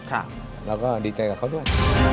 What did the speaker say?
เราก็ดีใจกับเขาด้วย